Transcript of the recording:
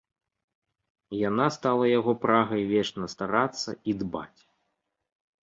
Яна стала яго прагай вечна старацца і дбаць.